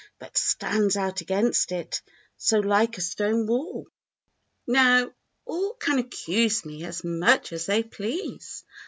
But stands out against it, so like a stone wall. 26 Now, all can accuse me as much as they please.